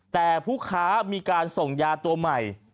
แต่ผู้ค้ามีการส่งยาตัวใหม่